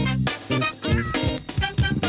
โปรดติดตามตอนต่อไป